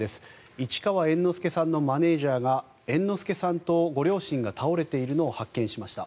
市川猿之助さんのマネジャーが猿之助さんとご両親が倒れているのを発見しました。